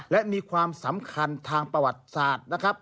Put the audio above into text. และมีความสำคัญทางประวัติศาสตร์นะครับ